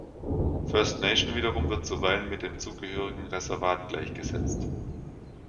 First Nation wiederum wird zuweilen mit dem zugehörigen Reservat gleichgesetzt.